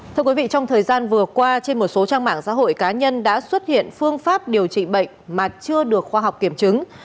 thưa quý vị trong thời gian vừa qua trên một số trang mạng xã hội cá nhân đã xuất hiện phương pháp điều trị bệnh mà chưa được khoa học kiểm chứng